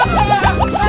aduh aduh aduh